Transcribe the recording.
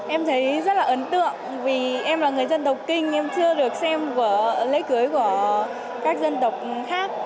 em thấy rất là ấn tượng vì em là người dân độc kinh em chưa được xem của lễ cưới của các dân tộc khác